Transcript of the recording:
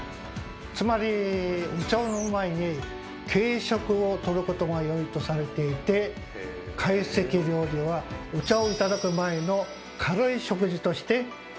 つまりお茶を飲む前に軽食をとることがよいとされていて懐石料理はお茶を頂く前の「軽い食事」として定着していったんです。